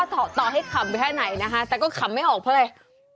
ต่อให้ขำแค่ไหนนะคะแต่ก็ขำไม่ออกเพราะอะไร